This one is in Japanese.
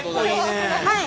はい！